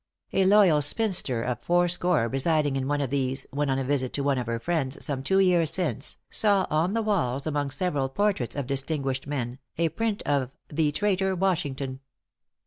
A loyal spinster of four score residing in one of these, when on a visit to one of her friends, some two years since, saw on the walls, among several portraits of distinguished men, a print of "the traitor Washington."